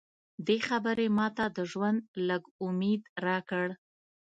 دې خبرې ماته د ژوند لږ امید راکړ